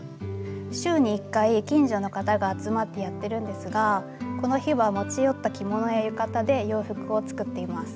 週に１回近所の方が集まってやってるんですがこの日は持ち寄った着物や浴衣で洋服を作っています。